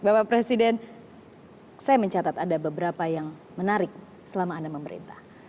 bapak presiden saya mencatat ada beberapa yang menarik selama anda memerintah